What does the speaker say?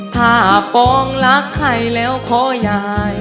ถ้าปองรักใครแล้วขอยาย